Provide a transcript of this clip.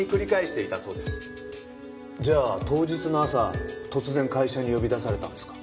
じゃあ当日の朝突然会社に呼び出されたんですか？